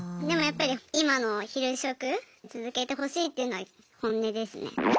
でもやっぱり今の昼職続けてほしいっていうのは本音ですね。